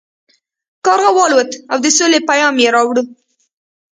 کارغه والوت او د سولې پیام یې راوړ.